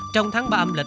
trong tháng ba âm lịch